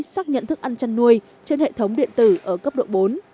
xác nhận thức ăn chăn nuôi trên hệ thống điện tử ở cấp độ bốn